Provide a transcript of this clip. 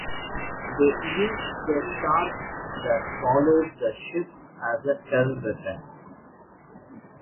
They used the sharks that followed the ships as a terror weapon.